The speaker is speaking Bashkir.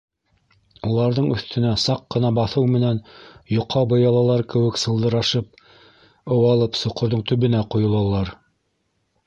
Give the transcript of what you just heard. Уларҙың өҫтөнә саҡ ҡына баҫыу менән, йоҡа быялалар кеүек сылдырашып ыуалып, соҡорҙоң төбөнә ҡойолалар.